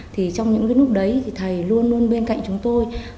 thì trong những cái lúc đấy thì thầy luôn luôn bên cạnh chúng tôi